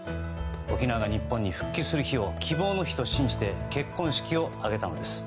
沖縄が日本に復帰する日を希望の日と信じて結婚式を挙げたのです。